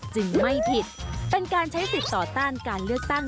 จึงไม่ผิดเป็นการใช้สิทธิ์ต่อต้านการเลือกตั้ง